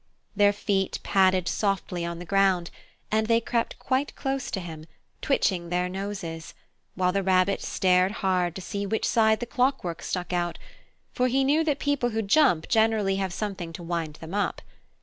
Their feet padded softly on the ground, and they crept quite close to him, twitching their noses, while the Rabbit stared hard to see which side the clockwork stuck out, for he knew that people who jump generally have something to wind them up.